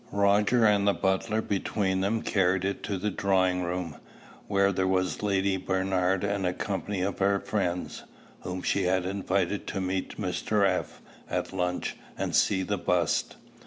Roger and the butler between them carried it to the drawing room, where were Lady Bernard and a company of her friends, whom she had invited to meet Mr. F, at lunch, and see the bust.